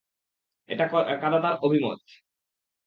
এটা কাতাদার অভিমত।